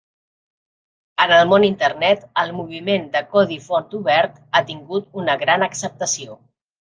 En el món Internet, el moviment de codi font obert ha tingut una gran acceptació.